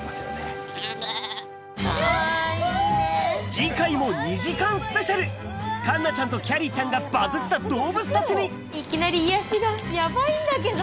次回も２時間スペシャル環奈ちゃんときゃりーちゃんがバズった動物たちにヤバいんだけど。